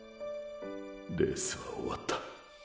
レースは終わった。